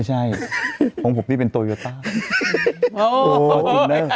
แต่ของพี่หนุ่มมันต้องมีลับกลางแต่อ๋อคุณพี่หนุ่มมี้เองนิ้วพอสใช่มั้ยไม่เกี่ยว